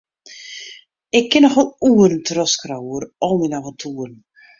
Ik kin noch wol oeren trochskriuwe oer al myn aventoeren.